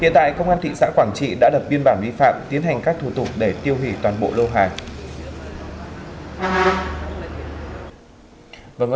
hiện tại công an thị xã quảng trị đã lập biên bản vi phạm tiến hành các thủ tục để tiêu hủy toàn bộ lô hàng